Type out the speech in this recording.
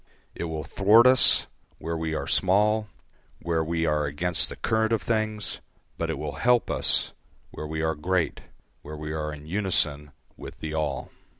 It will thwart us where we are small, where we are against the current of things; but it will help us where we are great, where we are in unison with the all.